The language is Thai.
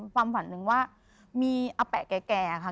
ความฝันหนึ่งว่ามีอาแปะแก่ค่ะ